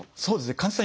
患者さん